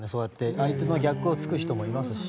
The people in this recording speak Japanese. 相手の逆を突く人もいますし。